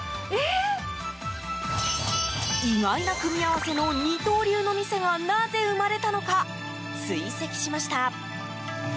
意外な組み合わせの二刀流の店がなぜ生まれたのか追跡しました。